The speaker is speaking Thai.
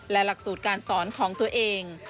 และหลักสูตรการสอนของตัวเอง